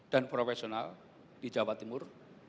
dan profesional di jawa timur